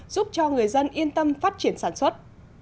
giúp cho người dân yên tâm phát triển sản xuất